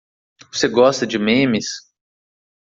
Você gosta de memes?